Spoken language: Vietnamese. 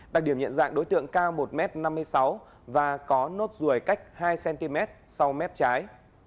đặc điểm nhận dạng đối tượng cao một m năm mươi sáu và có nốt ruồi cách hai cm sau mép trái